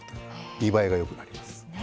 見栄えがよくなります。